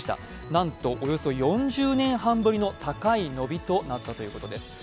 なんとおよそ４０年半ぶりの高い伸びとなったということです。